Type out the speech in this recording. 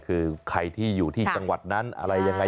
คือใครที่อยู่ที่จังหวัดนั้นอะไรยังไง